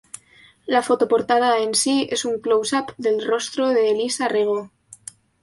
La foto-portada en sí es un close-up del rostro de Elisa Rego.